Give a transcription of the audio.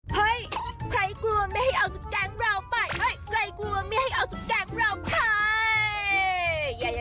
เฮ้ยใครกลัวไม่ให้เอาจากแก๊งเราไปเฮ้ยใครกลัวไม่ให้เอาจากแก๊งเราค่ะ